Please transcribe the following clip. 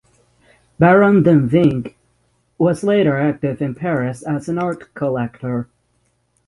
Baron de Vinck was later active in Paris as an art collector.